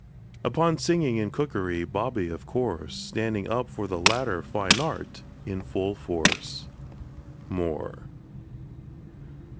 Upon singing and cookery, Bobby, of course, Standing up for the latter Fine Art in full force. MOORE.